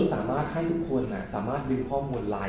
สามารถเรื่องข้อมูลไลน์